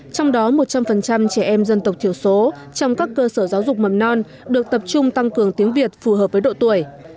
trong đó một trăm linh trẻ em dân tộc thiểu số trong các cơ sở giáo dục mầm non được tập trung tăng cường tiếng việt phù hợp với độ tuổi